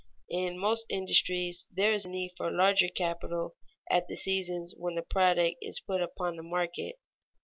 In most industries there is need for larger capital at the seasons when the product is put upon the market.